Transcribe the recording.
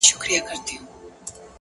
زموږه دوو زړونه دي تل د محبت مخته وي؛